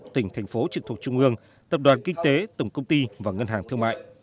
một tỉnh thành phố trực thuộc trung ương tập đoàn kinh tế tổng công ty và ngân hàng thương mại